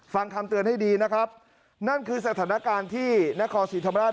ฟังคำเตือนให้ดีนะครับนั่นคือสถานการณ์ที่นครศรีธรรมราช